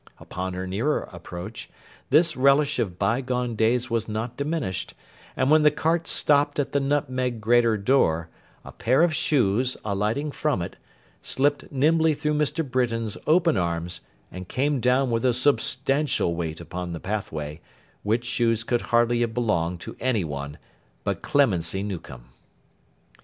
Upon her nearer approach, this relish of by gone days was not diminished; and when the cart stopped at the Nutmeg Grater door, a pair of shoes, alighting from it, slipped nimbly through Mr. Britain's open arms, and came down with a substantial weight upon the pathway, which shoes could hardly have belonged to any one but Clemency Newcome.